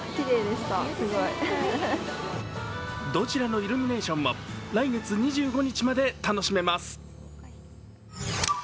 どちらのイルミネーションも来月２５日まで楽しめます。